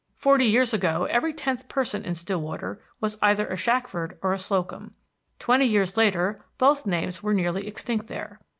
Forty years ago every tenth person in Stillwater was either a Shackford or a Slocum. Twenty years later both names were nearly extinct there.